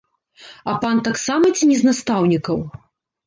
А пан таксама ці не з настаўнікаў?